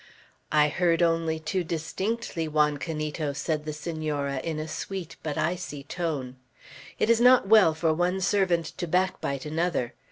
"I heard only too distinctly, Juan Canito," said the Senora in a sweet but icy tone. "It is not well for one servant to backbite another.